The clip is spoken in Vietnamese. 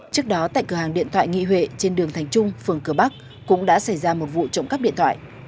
trước đó tại cửa hàng điện thoại nghị huệ trên đường thành trung phường cửa bắc cũng đã xảy ra một vụ trộm cắp điện thoại